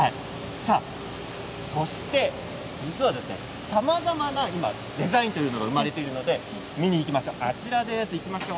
そして実はさまざまなデザインというのが生まれているので見に、行きましょう。